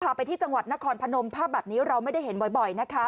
ไปที่จังหวัดนครพนมภาพแบบนี้เราไม่ได้เห็นบ่อยนะคะ